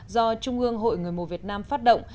do trung ương hội người mù việt nam phát động